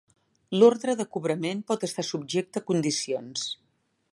L'ordre de cobrament pot estar subjecta a condicions.